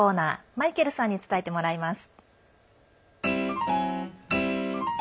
マイケルさんに伝えてもらいます。